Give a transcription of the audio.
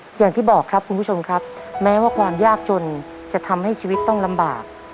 อย่างที่บอกครับคุณผู้ชมครับแม้ว่าความยากจนจะทำให้ชีวิตต้องลำบาก